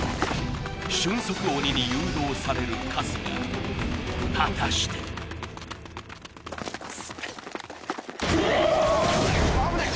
俊足鬼に誘導される春日果たして危ない！